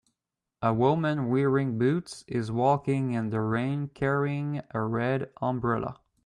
A woman wearing boots is walking in the rain carrying a red umbrella.